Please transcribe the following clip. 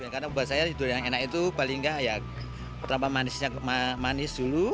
karena buat saya durian yang enak itu paling enggak terlalu manis dulu